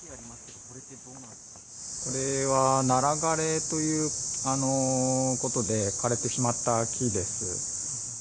これはナラ枯れということで、枯れてしまった木です。